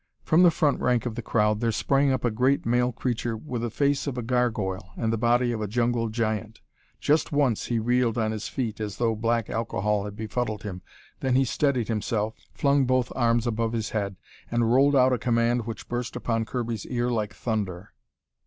From the front rank of the crowd, there sprang up a great male creature with the face of a gargoyle and the body of a jungle giant. Just once he reeled on his feet, as though black alcohol had befuddled him, then he steadied himself, flung both arms above his head, and rolled out a command which burst upon Kirby's ears like thunder.